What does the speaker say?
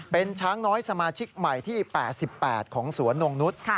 เป็นช้างน้อยสมาชิกใหม่ที่๘๘ของสวนนงนุษย์